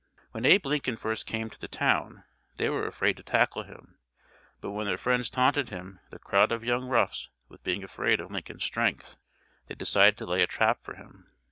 When Abe Lincoln first came to the town they were afraid to tackle him, but when their friends taunted the crowd of young roughs with being afraid of Lincoln's strength, they decided to lay a trap for him.